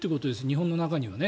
日本の中にはね。